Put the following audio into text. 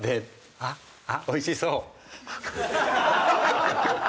あっ美味しそう。